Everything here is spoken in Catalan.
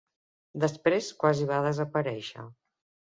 Després quasi va desaparèixer.